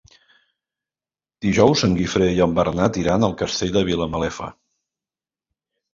Dijous en Guifré i en Bernat iran al Castell de Vilamalefa.